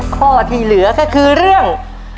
ข้อที่เหลือก็คือเรื่อง